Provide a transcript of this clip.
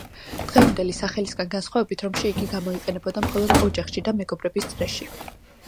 დღევანდელი სახელისგან განსხვავებით, რომში იგი გამოიყენებოდა მხოლოდ ოჯახში და მეგობრების წრეში.